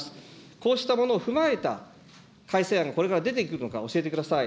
こうしたものを踏まえた、改正案がこれから出てくるのか、教えてください。